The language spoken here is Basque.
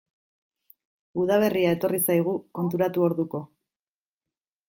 Udaberria etorri zaigu, konturatu orduko.